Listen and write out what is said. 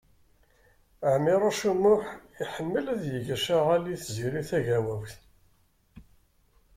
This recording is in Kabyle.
Ɛmiṛuc U Muḥ iḥemmel ad yeg acaɣal i Tiziri Tagawawt.